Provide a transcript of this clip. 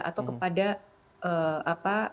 kalau memang dirasa terlalu penuh sampaikan kepada pengemudi ya